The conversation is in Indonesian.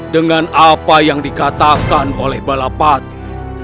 dengan apa yang dikatakan oleh balapati